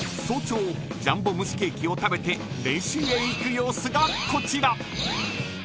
早朝ジャンボむしケーキを食べて練習へ行く様子がこちら。